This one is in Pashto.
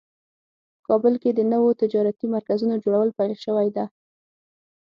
په کابل کې د نوو تجارتي مرکزونو جوړول پیل شوی ده